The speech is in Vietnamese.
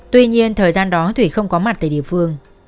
tuy nhiên thời gian đó thủy không có mặt tại địa phương